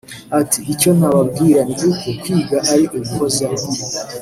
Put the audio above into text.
Ati“Icyo nababwira ni uko kwiga ari uguhozaho